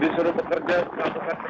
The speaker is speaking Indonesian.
disuruh bekerja lakukan kerja segini